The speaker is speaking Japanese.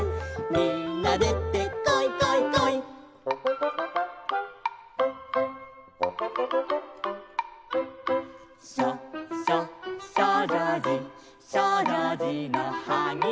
「みんなでてこいこいこい」「しょしょしょうじょうじ」「しょうじょうじのはぎは」